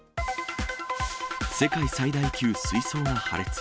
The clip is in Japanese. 世界最大級水槽が破裂。